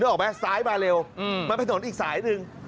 นึกออกไหมซ้ายมาเร็วมาไปถนนอีกสายหนึ่ง